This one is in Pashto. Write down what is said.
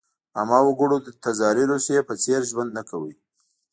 عامه وګړو د تزاري روسیې په څېر ژوند نه کاوه.